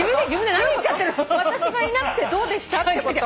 「私がいなくてどうでした？」ってこと？